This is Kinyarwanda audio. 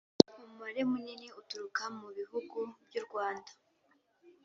umubare munini uturuka mu bihugu by’u Rwanda